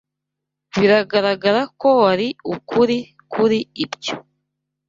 Biragaragara ko wari ukuri kuri ibyo